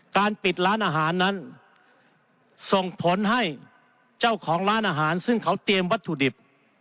ปิดร้านอาหารนั้นส่งผลให้เจ้าของร้านอาหารซึ่งเขาเตรียมวัตถุดิบ